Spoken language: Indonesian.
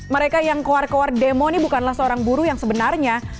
mereka yang kowar kowar demo nih bukanlah seorang buruh yang sebenarnya